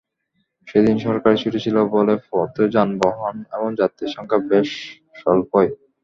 সেদিন সরকারি ছুটি ছিল বলে পথে যানবাহন এবং যাত্রীসংখ্যা বেশ স্বল্পই।